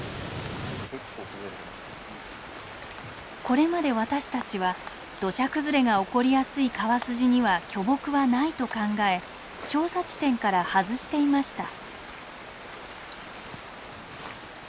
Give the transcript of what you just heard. これまで私たちは土砂崩れが起こりやすい川筋には巨木はないと考え調査地点から外していました。